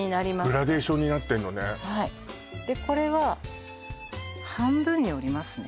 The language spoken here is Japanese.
グラデーションになってんのねでこれは半分に折りますね